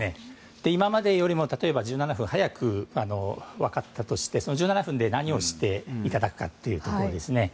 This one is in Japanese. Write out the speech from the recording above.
今までよりも１７分早く分かったとしてその１７分で何をしていただくかというところですね。